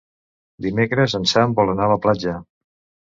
Dimecres en Sam vol anar a la platja.